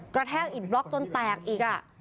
กระแทกอีกบล็อกจนแตกอีกอ่ะ